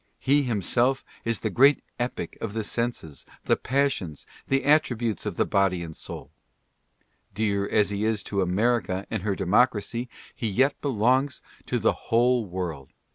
He himself is the great Epic of the senses, the passions, the at tributes of the body and soul. Dear as he is to America and her democracy, he yet belongs to the whole world.